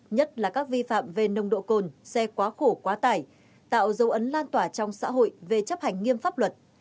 nhất là các vi phạm về nồng độ cồn xe quá khổ quá tải tạo dấu ấn lan tỏa trong xã hội về chấp hành nghiêm pháp luật